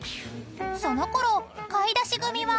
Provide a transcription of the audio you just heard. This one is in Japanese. ［そのころ買い出し組は］